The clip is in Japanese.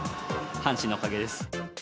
阪神のおかげです。